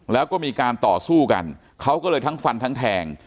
แล้วก็มีการต่อสู้กันเขาก็เลยทั้งฟันทั้งแทง